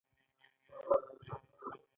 دریمه پوښتنه د دولت تعریف او قواوې دي.